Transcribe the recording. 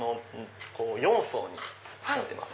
４層になってます。